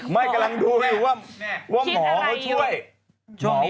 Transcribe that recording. ไม่กำลังดูอยู่ว่าว่าหมอเขาช่วย